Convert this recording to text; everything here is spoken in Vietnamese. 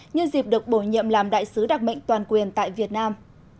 nhân dịp được bổ nhiệm làm đại sứ đặc mệnh toàn quyền tại việt nam